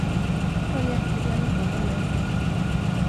Följaktligen gav hon med sig.